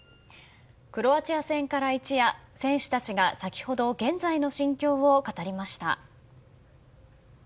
クロアチア戦から一夜選手たちが先ほど、現在の心境を語りました。